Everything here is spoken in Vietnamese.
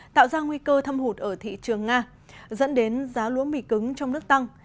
tạo ra nguy cơ thâm hụt ở thị trường nga dẫn đến giá lúa mì cứng trong nước tăng